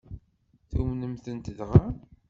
Tumnemt-tent dɣa?